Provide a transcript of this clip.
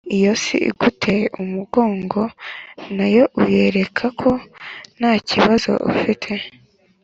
Iyo isi iguteye umugongo nayo uyereka ko ntakibazo ufite